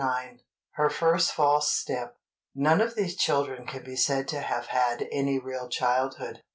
IX "HER FIRST FALSE STEP" None of these children can be said to have had any real childhood.